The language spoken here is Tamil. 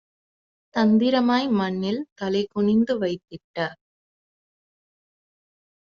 தந்திரமாய் மண்ணில் தலைகுனிந்து வைத்திட்ட